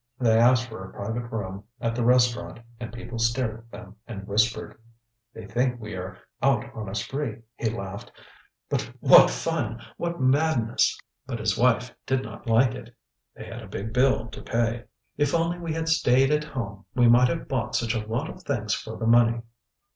They asked for a private room at the restaurant, and people stared at them and whispered. ŌĆ£They think we are out on a spree, ŌĆØ he laughed. ŌĆ£What fun! What madness! ŌĆØ But his wife did not like it. They had a big bill to pay. ŌĆ£If only we had stayed at home! We might have bought such a lot of things for the money.